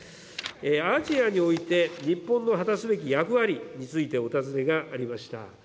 アジアにおいて、日本の果たすべき役割についてお尋ねがありました。